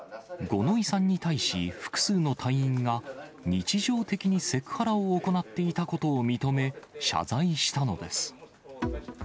五ノ井さんに対し、複数の隊員が日常的にセクハラを行っていたことを認め、謝罪したのです。